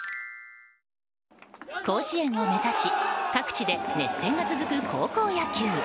甲子園を目指し各地で熱戦が続く高校野球。